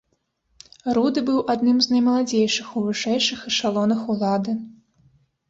Руды быў адным з наймаладзейшым у вышэйшых эшалонах улады.